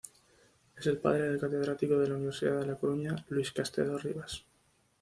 Es el padre del catedrático de la Universidad de La Coruña Luis Castedo Ribas.